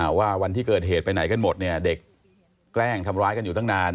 ว่าวันที่เกิดเหตุไปไหนกันหมดเนี่ยเด็กแกล้งทำร้ายกันอยู่ตั้งนาน